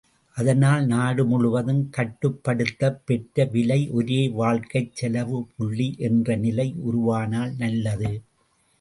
அதனால் நாடு முழுவதும் கட்டுப்படுத்தப் பெற்ற விலை ஒரே வாழ்க்கைச் செலவுப்புள்ளி என்ற நிலை உருவானால் நல்லது.